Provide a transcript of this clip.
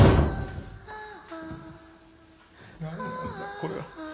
これは。